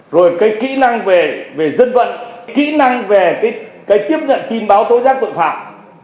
rồi cái kỹ năng về dân vận kỹ năng về cái tiếp nhận tin báo tố giác tội phạm